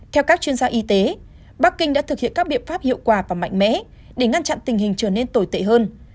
theo các chuyên gia y tế bắc kinh đã thực hiện các biện pháp hiệu quả và mạnh mẽ để ngăn chặn tình hình trở nên tồi tệ hơn